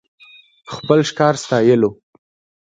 خپل ښکار ستايلو .